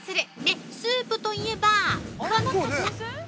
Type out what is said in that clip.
で、スープといえば、この方！！